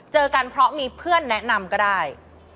เจอกันเพราะมีเพื่อนแนะนำก็ได้